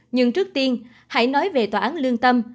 nhưng trước tiên hãy nói về tòa án lương tâm